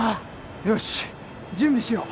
よし準備しよう。